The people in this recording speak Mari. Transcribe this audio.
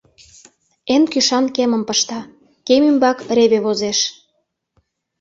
Эн кӱшан кемым пышта, кем ӱмбак реве возеш.